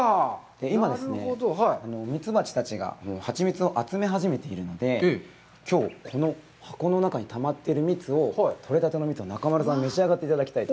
今、ミツバチたちがハチミツを集め始めているので、きょう、この箱の中にたまってる蜜を、取れたての蜜を中丸さんに召し上がっていただきたい。